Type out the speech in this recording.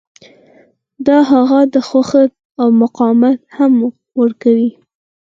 دا هغه ته خوځښت او مقاومت هم ورکوي